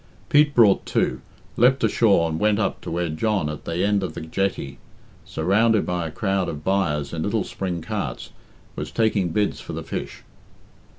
Pete brought to, leapt ashore, and went up to where John, at the end of the jetty, surrounded by a crowd of buyers in little spring carts, was taking bids for the fish.